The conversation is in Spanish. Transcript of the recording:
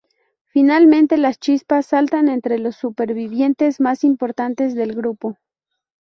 Finalmente, las chispas saltan entre los supervivientes más importantes del grupo.